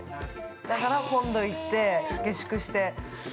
だから、本土に行って、下宿して。